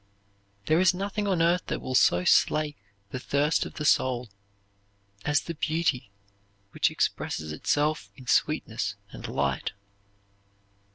There is nothing on earth that will so slake the thirst of the soul as the beauty which expresses itself in sweetness and light.